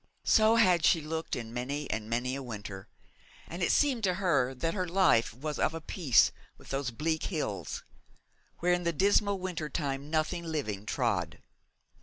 So had she looked in many and many a winter, and it seemed to her that her life was of a piece with those bleak hills, where in the dismal winter time nothing living trod.